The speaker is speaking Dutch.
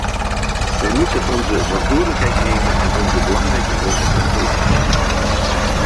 Wij moeten onze verantwoordelijkheid nemen en onze belangrijke rol vervullen.